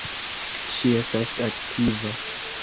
Ŝi estas aktiva.